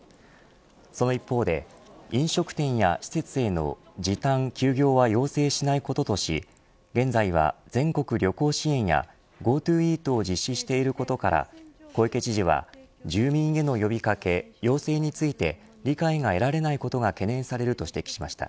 その一方で飲食店や施設への時短、休業は要請しないこととし現在は全国旅行支援やＧｏＴｏイートを実施していることから小池知事は住民への呼び掛け要請について理解が得られないことが懸念されると指摘しました。